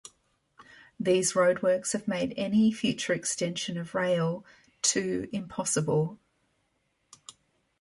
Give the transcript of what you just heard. These roadworks have made any future extension of rail to impossible.